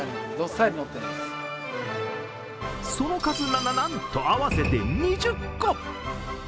その数、なななんと合わせて２０個。